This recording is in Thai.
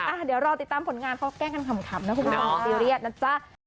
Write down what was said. อ่ะเดี๋ยวรอติดตามผลงานเขาแกล้งกันขำนะคุณผู้ชมซีเรียสนะจ๊ะ